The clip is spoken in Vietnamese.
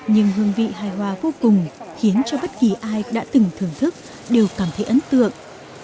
nhưng hương vị hài hòa vô cùng khiến cho bất kỳ ai đã từng thưởng thức đều cảm thấy ấn tượng